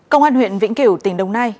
công an huyện vĩnh kiểu tỉnh đồng nai